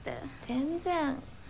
全然。